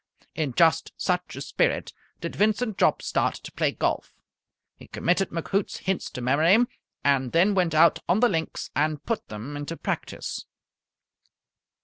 In just such a spirit did Vincent Jopp start to play golf. He committed McHoots's hints to memory, and then went out on the links and put them into practice.